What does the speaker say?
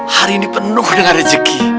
hari ini penuh dengan rezeki